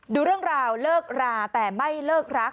ดูเรื่องราวเลิกราแต่ไม่เลิกรัก